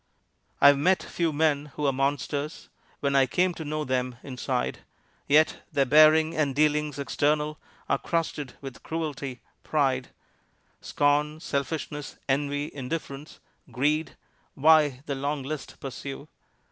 I've met few men who are monsters When I came to know them inside; Yet their bearing and dealings external Are crusted with cruelty, pride, Scorn, selfishness, envy, indifference, Greed why the long list pursue?